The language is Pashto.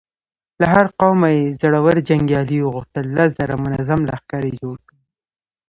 له هر قومه يې زړور جنګيالي وغوښتل، لس زره منظم لښکر يې جوړ کړ.